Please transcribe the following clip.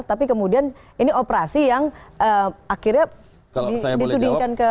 tapi kemudian ini operasi yang akhirnya ditudingkan ke